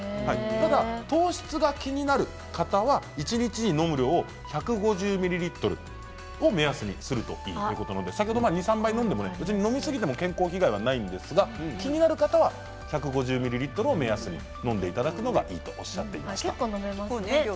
ただ糖質が気になる方は一日に飲む量を１５０ミリリットルを目安にするといいということなので先ほど２、３杯と、飲みすぎても健康被害はありませんが気になる方は１５０ミリリットルを目安に飲んでいただくのがいいとおっしゃっていました。